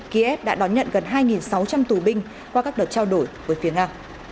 kiev đã đón nhận gần hai sáu trăm linh tù binh qua các đợt trao đổi với phía nga